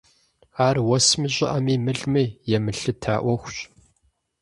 Ар уэсми, щӀыӀэми, мылми емылъыта Ӏуэхущ.